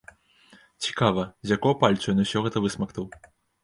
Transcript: Цікава, з якога пальцу ён усё гэта высмактаў?